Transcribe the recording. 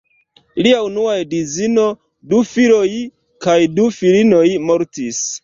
Lia unua edzino, du filoj kaj du filinoj mortis.